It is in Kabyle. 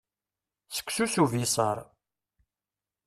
Seksu s ubiṣar.